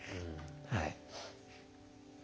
はい。